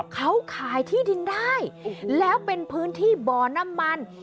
เขาขายที่ดินได้แล้วเป็นพื้นที่บ่อน้ำมัน